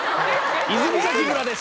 泉崎村です！